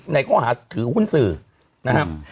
ในข้อหาถือหุ้นสื่อนะครับ